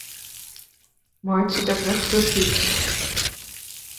Meitsje dat net kursyf.